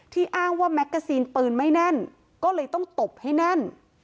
อ้างว่าแมกกาซีนปืนไม่แน่นก็เลยต้องตบให้แน่น